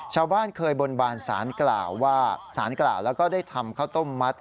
ชาวบ้านเคยบนบานสารกล่าวแล้วก็ได้ทำข้าวต้มมัด